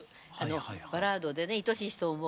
バラードでねいとしい人を思う。